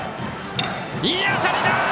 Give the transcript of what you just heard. いい当たりだ！